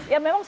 ya memang sih